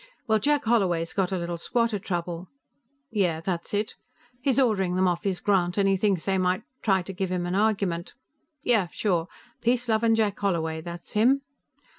Well, Jack Holloway's got a little squatter trouble. Yeah; that's it. He's ordering them off his grant, and he thinks they might try to give him an argument. Yeah, sure, Peace Lovin' Jack Holloway, that's him.